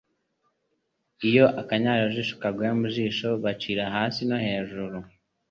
Iyo akanyarirajisho kaguye mu jisho, bacira hasi no hejuru,